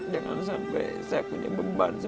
jangan sampai saya berubah